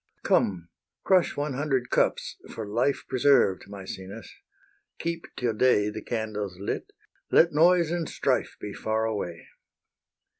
Come, crush one hundred cups for life Preserved, Maecenas; keep till day The candles lit; let noise and strife Be far away.